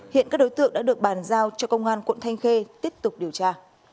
hiện các đối tượng đã được bàn giao cho công an quận thanh khê tiếp tục điều tra